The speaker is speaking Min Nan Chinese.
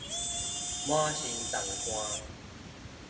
滿身重汗